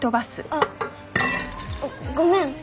あっごめん。